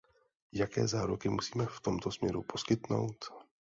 Jaké záruky musíme v tomto směru poskytnout?